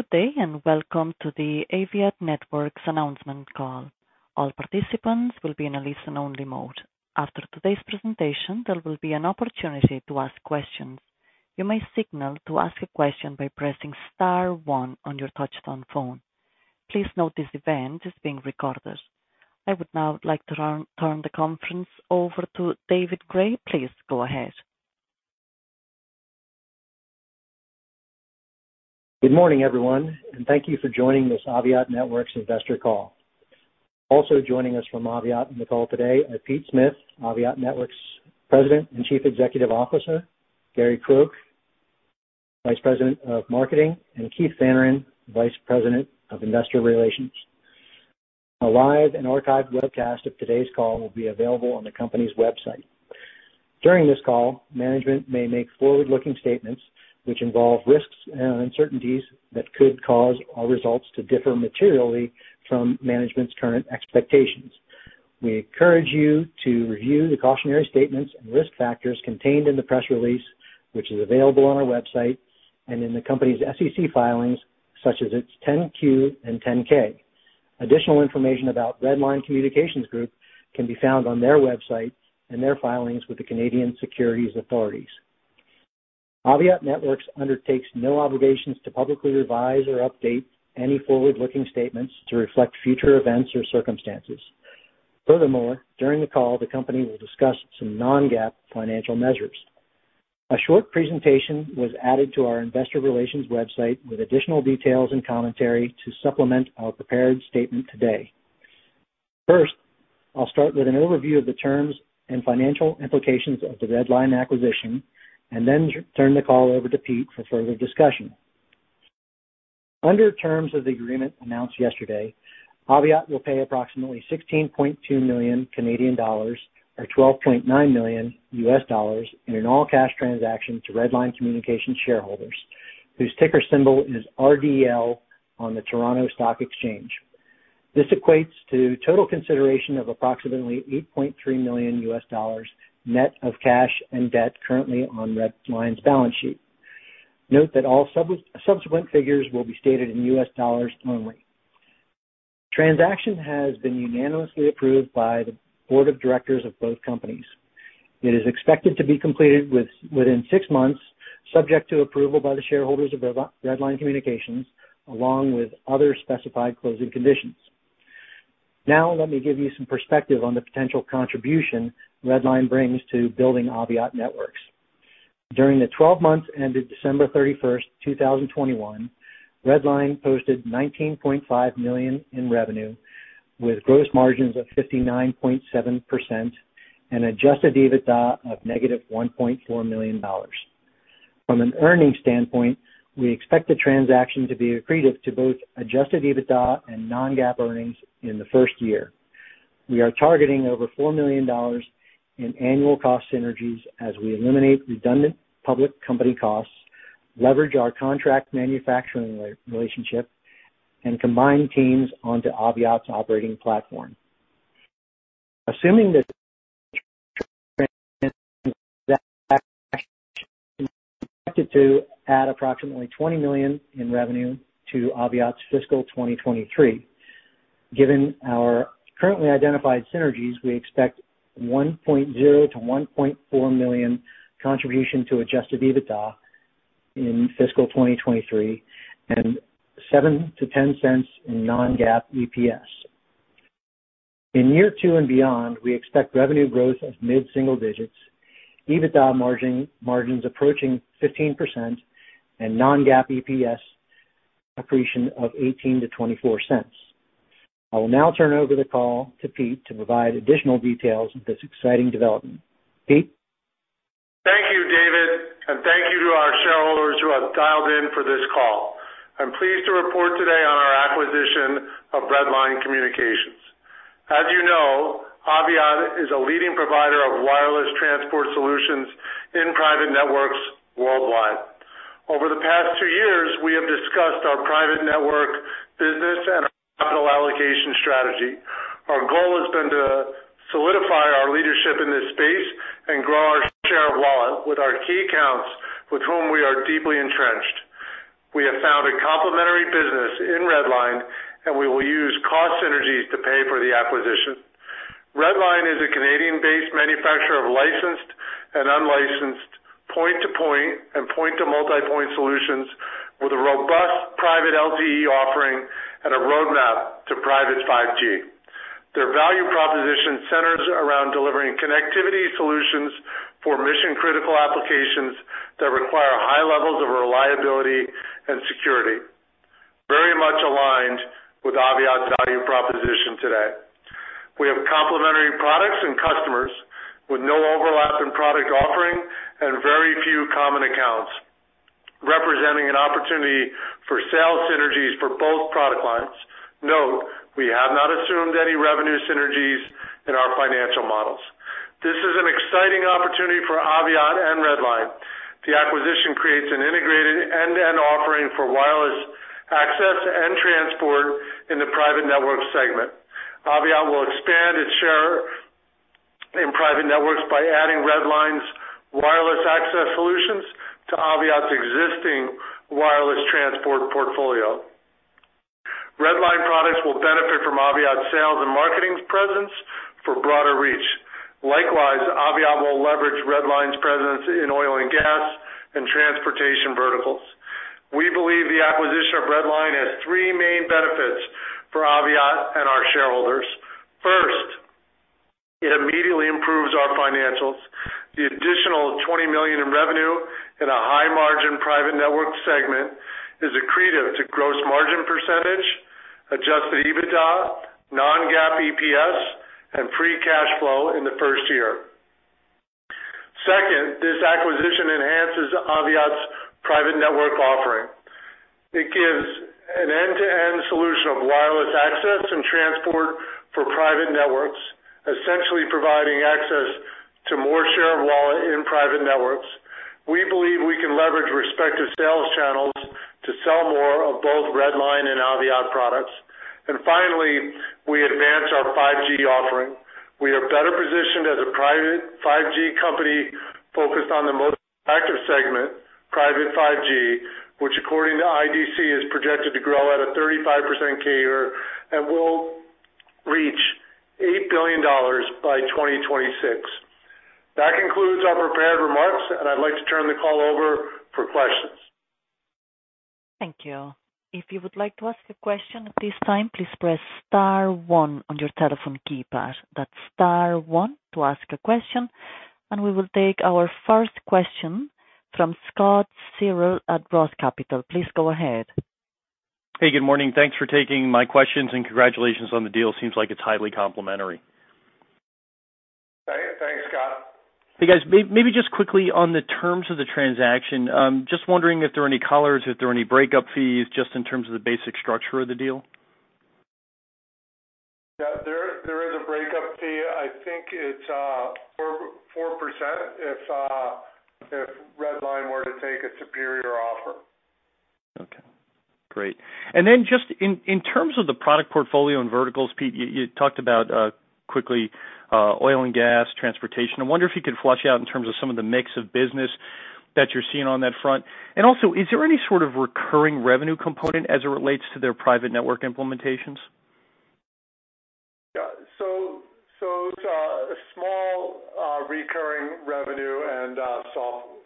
Good day and welcome to the Aviat Networks announcement call. All participants will be in a listen-only mode. After today's presentation, there will be an opportunity to ask questions. You may signal to ask a question by pressing star one on your touchtone phone. Please note this event is being recorded. I would now like to turn the conference over to David Gray. Please go ahead. Good morning, everyone, and thank you for joining this Aviat Networks Investor Call. Also joining us from Aviat in the call today are Pete Smith, Aviat Networks President and Chief Executive Officer, Gary Croke, Vice President of Marketing, and Keith Fannin, Vice President of Investor Relations. A live and archived webcast of today's call will be available on the company's website. During this call, management may make forward-looking statements, which involve risks and uncertainties that could cause our results to differ materially from management's current expectations. We encourage you to review the cautionary statements and risk factors contained in the press release, which is available on our website, and in the company's SEC filings such as its 10-Q and 10-K. Additional information about Redline Communications Group can be found on their website and their filings with the Canadian Securities Authorities. Aviat Networks undertakes no obligations to publicly revise or update any forward-looking statements to reflect future events or circumstances. Furthermore, during the call, the company will discuss some non-GAAP financial measures. A short presentation was added to our investor relations website with additional details and commentary to supplement our prepared statement today. First, I'll start with an overview of the terms and financial implications of the Redline acquisition and then turn the call over to Pete for further discussion. Under the terms of the agreement announced yesterday, Aviat will pay approximately 16.2 million Canadian dollars or $12.9 million in an all-cash transaction to Redline Communications shareholders whose ticker symbol is RDL on the Toronto Stock Exchange. This equates to total consideration of approximately $8.3 million net of cash and debt currently on Redline's balance sheet. Note that all subsequent figures will be stated in U.S. dollars only. Transaction has been unanimously approved by the board of directors of both companies. It is expected to be completed within six months, subject to approval by the shareholders of Redline Communications, along with other specified closing conditions. Now, let me give you some perspective on the potential contribution Redline brings to building Aviat Networks. During the 12 months ended December 31st, 2021, Redline posted $19.5 million in revenue with gross margins of 59.7% and adjusted EBITDA of -$1.4 million. From an earnings standpoint, we expect the transaction to be accretive to both adjusted EBITDA and non-GAAP earnings in the first year. We are targeting over $4 million in annual cost synergies as we eliminate redundant public company costs, leverage our contract manufacturing relationship, and combine teams onto Aviat's operating platform. Assuming that is expected to add approximately $20 million in revenue to Aviat's Fiscal 2023 given our currently identified synergies, we expect $1.0 million to $1.4 million contribution to adjusted EBITDA in Fiscal 2023 and $0.07 to $0.10 in non-GAAP EPS. In year two and beyond, we expect revenue growth of mid-single digits, EBITDA margins approaching 15% and non-GAAP EPS accretion of $0.18 to $0.24. I will now turn over the call to Pete to provide additional details of this exciting development. Pete? Thank you, David, and thank you to our shareholders who have dialed in for this call. I'm pleased to report today on our acquisition of Redline Communications. As you know, Aviat is a leading provider of wireless transport solutions in private networks worldwide. Over the past two years, we have discussed our private network business and our capital allocation strategy. Our goal has been to solidify our leadership in this space and grow our share of wallet with our key accounts with whom we are deeply entrenched. We have found a complementary business in Redline, and we will use cost synergies to pay for the acquisition. Redline is a Canadian-based manufacturer of licensed and unlicensed point-to-point and point-to-multipoint solutions with a robust private LTE offering and a roadmap to private 5G. Their value proposition centers around delivering connectivity solutions for mission-critical applications that require high levels of reliability and security, very much aligned with Aviat's value proposition today. We have complementary products and customers with no overlap in product offering and very few common accounts, representing an opportunity for sales synergies for both product lines. Note, we have not assumed any revenue synergies in our financial models. This is an exciting opportunity for Aviat and Redline. The acquisition creates an integrated end-to-end offering for wireless access and transport in the private network segment. Aviat will expand its share in private networks by adding Redline's wireless access solutions to Aviat's existing wireless transport portfolio. Redline products will benefit from Aviat sales and marketing presence for broader reach likewise, Aviat will leverage Redline's presence in oil and gas and transportation verticals. We believe the acquisition of Redline has three main benefits for Aviat and our shareholders. First, it immediately improves our financials. The additional $20 million in revenue in a high-margin private network segment is accretive to gross margin percentage, adjusted EBITDA, non-GAAP EPS, and free cash flow in the first year. Second, this acquisition enhances Aviat's private network offering. It gives an end-to-end solution of wireless access and transport for private networks, essentially providing access to more share of wallet in private networks. We believe we can leverage respective sales channels to sell more of both Redline and Aviat products and finally, we advance our 5G offering. We are better positioned as a private 5G company focused on the most active segment, private 5G, which according to IDC, is projected to grow at a 35% CAGR, and will reach $8 billion by 2026. That concludes our prepared remarks, and I'd like to turn the call over for questions. Thank you. If you would like to ask a question at this time, please press star one on your telephone keypad. That's star one to ask a question and we will take our first question from Scott Searle at Roth Capital. Please go ahead. Hey, good morning. Thanks for taking my questions and congratulations on the deal. It seems like it's highly complementary. Thanks, Scott. Hey, guys, maybe just quickly on the terms of the transaction, I'm just wondering if there are any collars, if there are any breakup fees, just in terms of the basic structure of the deal? Yeah, there is a breakup fee. I think it's 4% if Redline were to take a superior offer. Okay, great, and then just in terms of the product portfolio and verticals, Pete, you talked about quickly oil and gas, transportation. I wonder if you could flesh out in terms of some of the mix of business that you're seeing on that front. Also, is there any sort of recurring revenue component as it relates to their private network implementations? It's a small recurring revenue and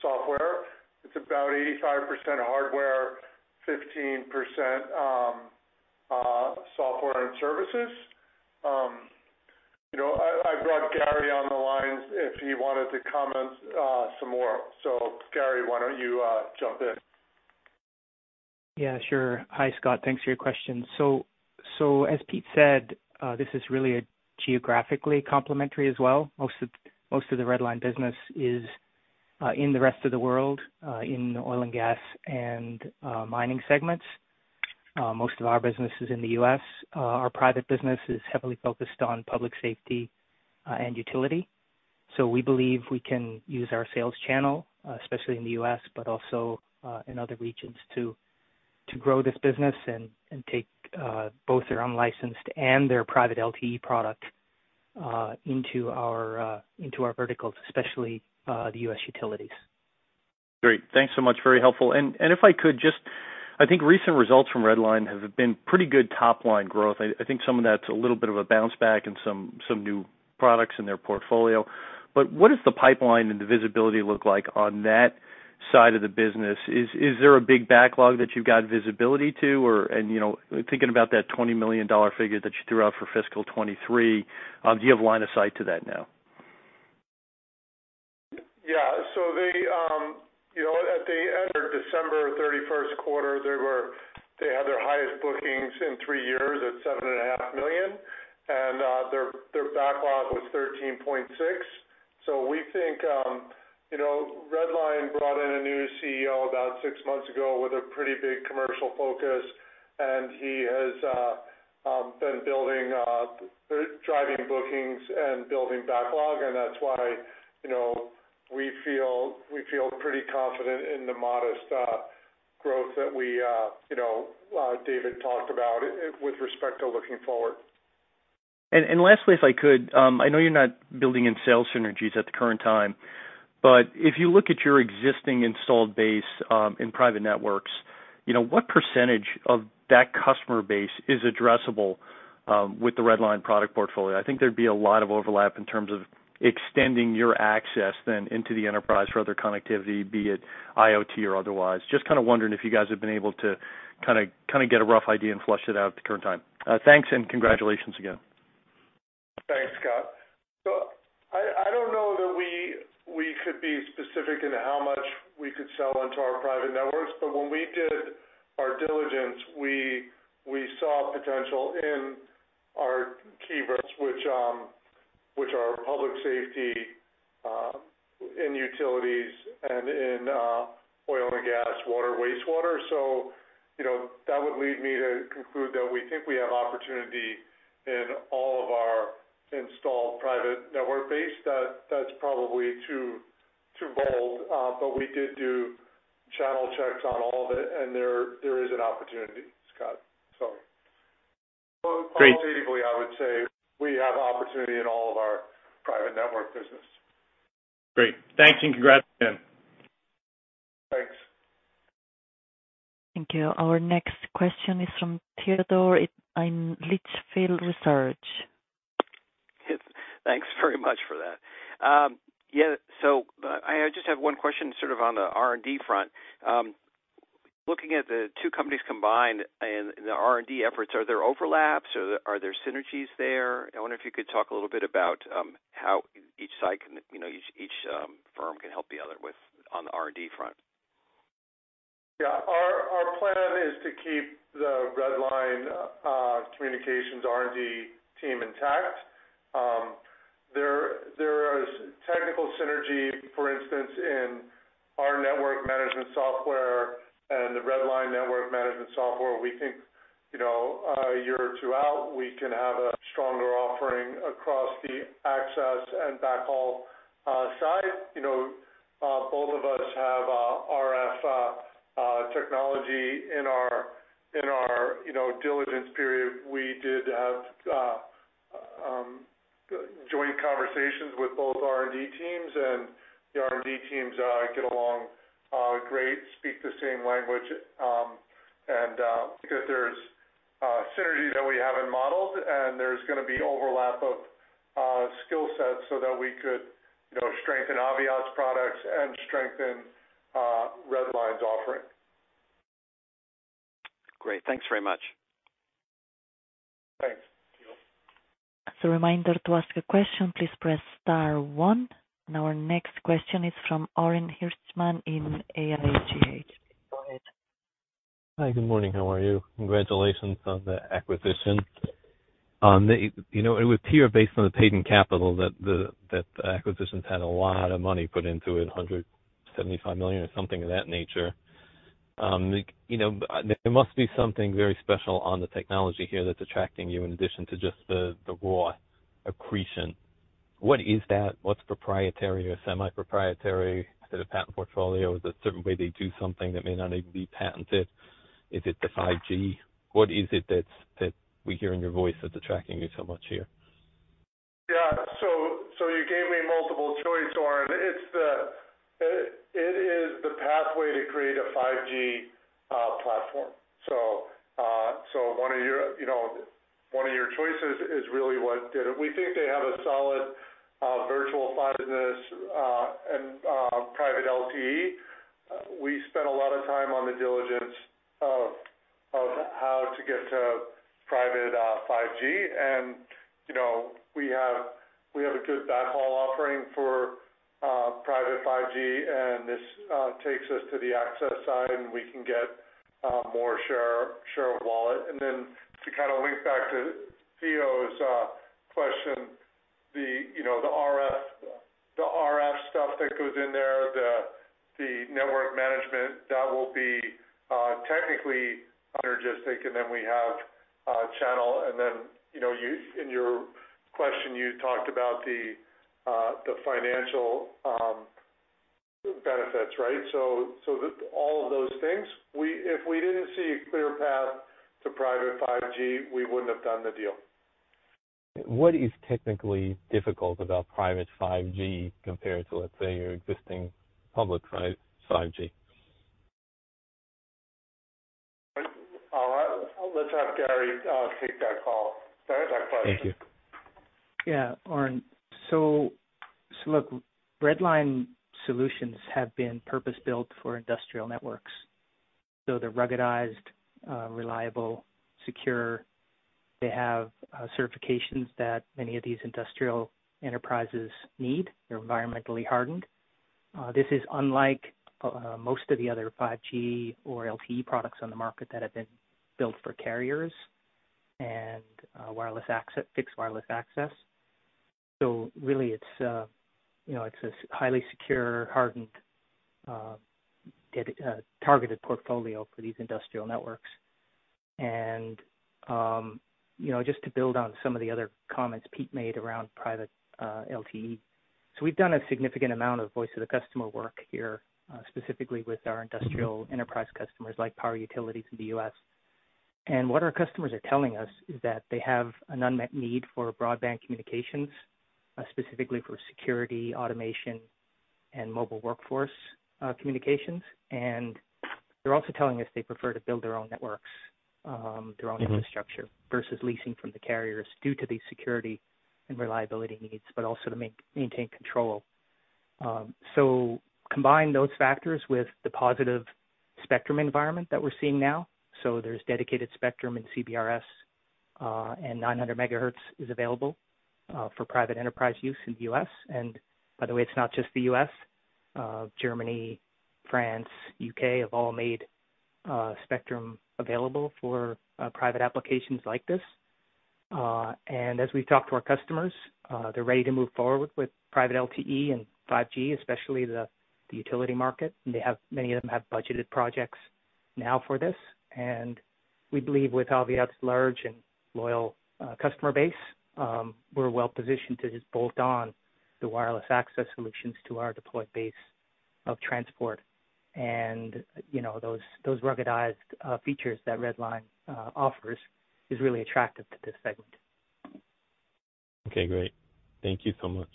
software. It's about 85% hardware, 15% software and services. I brought Gary on the line if he wanted to comment some more. Gary, why don't you jump in? Yeah, sure. Hi, Scott. Thanks for your question. As Pete said, this is really a geographically complementary as well. Most of the Redline business is in the rest of the world in oil and gas and mining segments. Most of our business is in the U.S. Our private business is heavily focused on public safety and utility. We believe we can use our sales channel, especially in the U.S., but also in other regions to grow this business and take both their unlicensed and their private LTE product into our verticals, especially the U.S. utilities. Great. Thanks so much, very helpful, and If I could just, I think recent results from Redline have been pretty good top-line growth. I think some of that's a little bit of a bounce back and some new products in their portfolio. What does the pipeline and the visibility look like on that side of the business? Is there a big backlog that you've got visibility to or, you know, thinking about that $20 million figure that you threw out for Fiscal 2023, do you have line of sight to that now? Yeah. At their December 31st quarter, they had their highest bookings in three years at $7.5 million and their backlog was $13.6 million. We think Redline brought in a new CEO about six months ago with a pretty big commercial focus and he has been driving bookings, and building backlog, and that's why, you know, we feel pretty confident in the modest growth that David talked about with respect to looking forward. Lastly, if I could, I know you're not building in sales synergies at the current time, but if you look at your existing installed base in private networks, you know, what percentage of that customer base is addressable with the Redline product portfolio? I think there'd be a lot of overlap in terms of extending your access then into the enterprise for other connectivity, be it IoT or otherwise. I'm just kind of wondering if you guys have been able to kind of get a rough idea and flush it out at the current time. Thanks and congratulations again. Thanks, Scott. Look, I don't know that we could be specific in how much we could sell into our private networks, but when we did our diligence, we saw potential in our key risks, which are public safety, in utilities and in oil and gas, water, wastewater. That would lead me to conclude that we think we have opportunity in all of our installed private network base. That's probably too bold, but we did do channel checks on all of it, and there is an opportunity, Scott. Qualitatively, I would say we have opportunity in all of our private network business. Great. Thanks and congrats again. Thanks. Thank you. Our next question is from Theodore in Litchfield Hills Research. Thanks very much for that. Yeah, I just have one question sort of on the R&D front. Looking at the two companies combined and the R&D efforts, are there overlaps or are there synergies there? I wonder if you could talk a little bit about how each side can, you know, each firm can help the other with on the R&D front. Yeah. Our plan is to keep the Redline Communications R&D team intact. There is technical synergy, for instance, in our network management software and the Redline Communications network management software. We think, you know, a year or two out, we can have a stronger offering across the access and backhaul side. Both of us have RF technology, in our, you know, diligence period, we did have joint conversations with both R&D teams. The R&D teams get along great, speak the same language because there's synergies that we haven't modeled, and there's going to be overlap of skill sets so that we could, you know, strengthen Aviat's products and strengthen Redline's offering. Great. Thanks very much. Thanks. As a reminder, to ask a question, please press star one. Our next question is from Orin Hirschman in AIGH. Go ahead. Hi. Good morning. How are you? Congratulations on the acquisition. It would appear based on the paid-in capital that the acquisition's had a lot of money put into it, $175 million or something of that nature. There must be something very special on the technology here that's attracting you in addition to just the raw accretion. What is that? What's proprietary or semi-proprietary to the patent portfolio? Is it a certain way they do something that may not even be patented? Is it the 5G? What is it that we hear in your voice that's attracting you so much here? Yeah. You gave me multiple choice, Orin. It is the pathway to create a 5G platform. One of your, you know, choices is really what did it. We think they have a solid virtual Cloud in this and private LTE. We spent a lot of time on the diligence of how to get to private 5G. We have a good backhaul offering for private 5G, and this takes us to the access side, and we can get more share of wallet. To kind of link back to Theo's question, you know, the RF stuff that goes in there, the network management, that will be technically synergistic. We have channel. In your question, you talked about the financial benefits, right? All of those things. If we didn't see a clear path to private 5G, we wouldn't have done the deal. What is technically difficult about private 5G compared to, let's say, your existing public 5G? All right. Let's have Gary take that call, sorry, that question. Thank you. Yeah, Orin. Look, Redline solutions have been purpose-built for industrial networks, so they're ruggedized, reliable, secure. They have certifications that many of these industrial enterprises need. They're environmentally hardened. This is unlike most of the other 5G or LTE products on the market that have been built for carriers and wireless access, fixed wireless access. It's you know, it's this highly secure, hardened targeted portfolio for these industrial networks and, you know, just to build on some of the other comments Pete made around private LTE. So we've done a significant amount of voice of the customer work here, specifically with our industrial enterprise customers like power utilities in the U.S. What our customers are telling us is that they have an unmet need for broadband communications, specifically for security, automation, and mobile workforce communications. They’re also telling us they prefer to build their own networks, their own infrastructure versus leasing from the carriers due to these security and reliability needs, but also to maintain control. Combine those factors with the positive spectrum environment that we're seeing now. There's dedicated spectrum in CBRS and 900 MHz is available for private enterprise use in the U.S. By the way, it's not just the U.S., Germany, France, U.K. have all made spectrum available for private applications like this and as we've talked to our customers, they're ready to move forward with private LTE and 5G especially the utility market. Many of them have budgeted projects now for this. We believe with Aviat's large and loyal customer base, we're well positioned to just bolt on the wireless access solutions to our deployed base of transport. Those ruggedized features that Redline offers is really attractive to this segment. Okay, great. Thank you so much.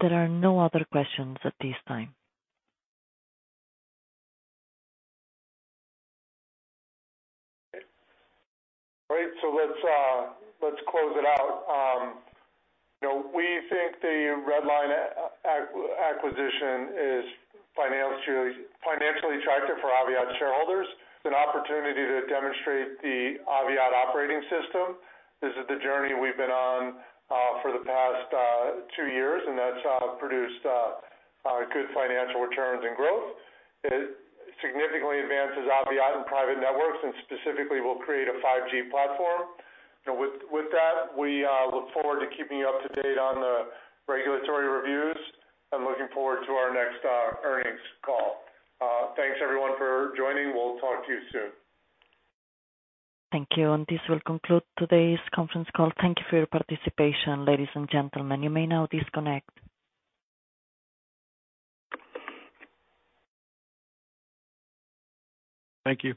There are no other questions at this time. Great. Let's close it out. We think the Redline acquisition is financially attractive for Aviat shareholders, an opportunity to demonstrate the Aviat operating system. This is the journey we've been on for the past two years and that's produced good financial returns and growth. It significantly advances Aviat in private networks and specifically will create a 5G platform. With that, we look forward to keeping you up to date on the regulatory reviews. I'm looking forward to our next earnings call. Thanks everyone for joining and we'll talk to you soon. Thank you. This will conclude today's conference call. Thank you for your participation, ladies and gentlemen. You may now disconnect. Thank you.